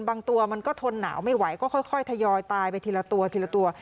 บางตัวมันก็ทนหนาวไม่ไหวก็ค่อยทยอยตายไปทีละตัวทีละตัว